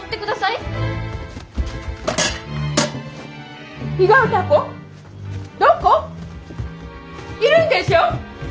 いるんでしょ？